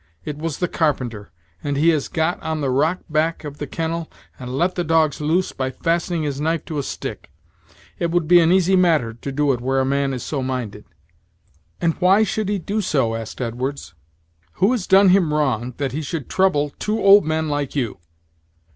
It was the carpenter; and he has got on the rock back of the kennel and let the dogs loose by fastening his knife to a stick. It would be an easy matter to do it where a man is so minded." "And why should he do so?" asked Edwards; "who has done him wrong, that he should trouble two old men like you?"